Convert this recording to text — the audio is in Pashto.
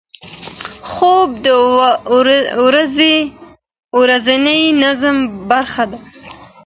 خوب د ورځني نظم برخه ده.